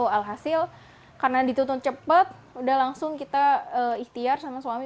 alhasil karena dituntut cepat udah langsung kita ikhtiar sama suami